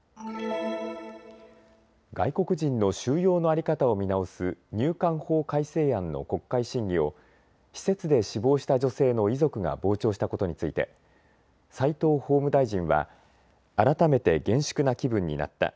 外国人の収容の在り方を見直す入管法改正案の国会審議を施設で死亡した女性の遺族が傍聴したことについて齋藤法務大臣は改めて厳粛な気分になった。